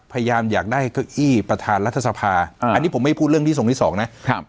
พยายามอยากได้เก้าอี้ประธานรัฐสภาอันนี้ผมไม่พูดเรื่องที่ทรงที่สองนะครับ